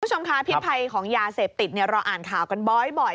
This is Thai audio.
คุณผู้ชมค่ะพิษภัยของยาเสพติดเราอ่านข่าวกันบ่อย